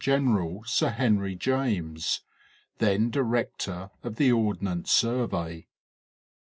Gen'l. Sir Henry James, then director of the Ordnance Survey.